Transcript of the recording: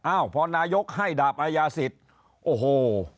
อ้าวพอนายกให้ดาบอายาศิษย์โอ้โห